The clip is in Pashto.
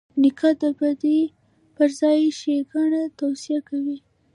نیکه د بدۍ پر ځای ښېګڼه توصیه کوي.